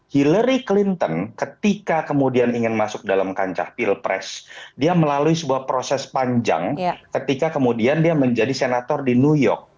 hillary clinton ketika kemudian ingin masuk dalam kancah pilpres dia melalui sebuah proses panjang ketika kemudian dia menjadi senator di new york